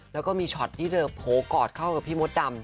แล้วก็มีช็อตที่เธอโผล่กอดเข้ากับพี่มดดำ